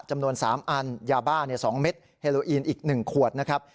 จำนวนสามอันยาบ้าสองเม็ดเฮโลอินอีกหนึ่งขวดนะครับ